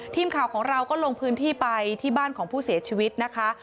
ทีมข่าวของเราก็ลงพื้นที่ไปที่บ้านของผู้เสียชีวิตนะคะ